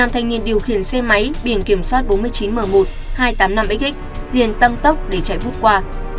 năm thanh niên điều khiển xe máy biển kiểm soát bốn mươi chín m một hai trăm tám mươi năm x liền tăng tốc để chạy vút qua